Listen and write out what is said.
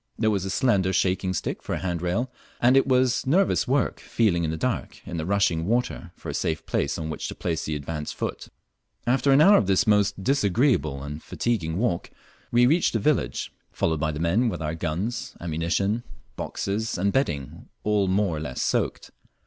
There was a slender shaking stick for a handrail, and it was nervous work feeling in the dark in the rushing water for a safe place on which to place the advanced foot. After au hour of this most disagreeable and fatiguing walk we reached the village, followed by the men with our guns, ammunition, boxes, and bedding all more or less soaked.